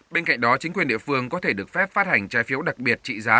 bên cạnh đó chính quyền địa phương có thể được phép phát hành trái phiếu đặc biệt trị giá